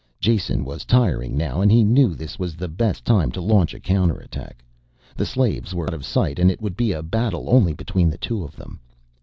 Jason was tiring now and he knew this was the best time to launch a counterattack. The slaves were out of sight and it would be a battle only between the two of them.